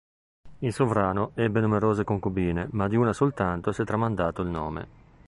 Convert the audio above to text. Il sovrano ebbe numerose concubine, ma di una soltanto si è tramandato il nome.